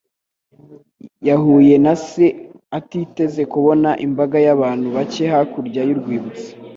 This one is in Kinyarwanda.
Yahuye na se, atiteze kubona imbaga y'abantu bake hakurya y'urwibutso.